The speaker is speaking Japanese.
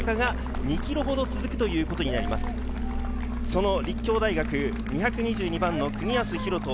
その隣は立教大学２２２番の國安広人